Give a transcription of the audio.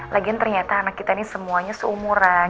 lagian ternyata anak kita ini semuanya seumuran